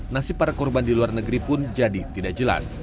nasib para korban di luar negeri pun jadi tidak jelas